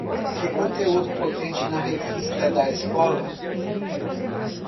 Que conteúdo potente na revista da escola!